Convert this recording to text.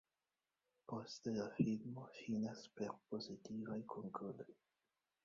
Poste la filmo finas per pozitivaj konkludoj.